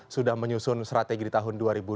sudah menyusun strategi di tahun